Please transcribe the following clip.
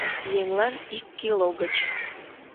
Еҥлан ик кило гыч...